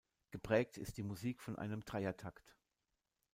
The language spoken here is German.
Geprägt ist die Musik von einem Dreiertakt.